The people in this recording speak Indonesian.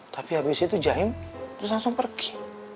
tapi habis itu jahim terus langsung pergi